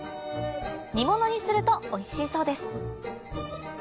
煮物にするとおいしいそうです